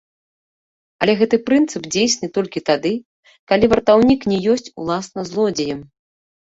Але гэты прынцып дзейсны толькі тады, калі вартаўнік не ёсць уласна злодзеем.